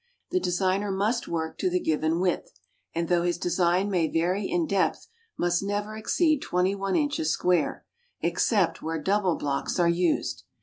The designer must work to the given width, and though his design may vary in depth, must never exceed 21 inches square, except where double blocks are used.